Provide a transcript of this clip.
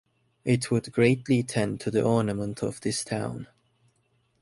It would greatly tend to the ornament of this town.